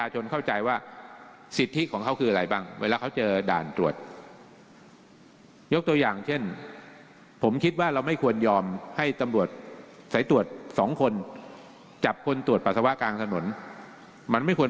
หรือจุดตรวจจุดสกัดไหน